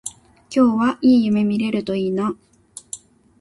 今日はいい夢見れるといいな